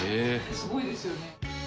すごいですよね。